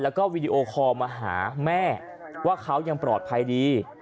แล้วก็วีดีโอคอลมาหาแม่ว่าเขายังปลอดภัยดี